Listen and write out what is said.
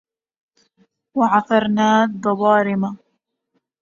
وعفرناة ضبارمة